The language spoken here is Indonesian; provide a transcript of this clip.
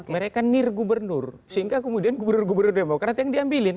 mereka nir gubernur sehingga kemudian gubernur gubernur yang mau karena itu yang diambilin